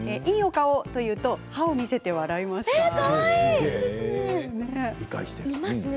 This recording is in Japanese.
いいお顔と言うと歯を見せて笑いました。